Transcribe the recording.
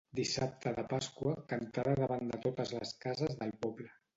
Dissabte de pasqua, cantada davant de totes les cases del poble.